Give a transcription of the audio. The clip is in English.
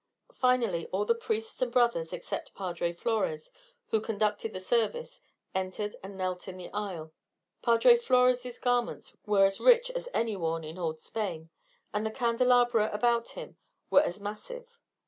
Finally all the priests and brothers, except Padre Flores, who conducted the service, entered and knelt in the aisle. Padre Flores' garments were as rich as any worn in old Spain, and the candelabra about him were as massive.